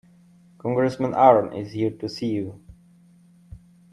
Congressman Aaron is here to see you.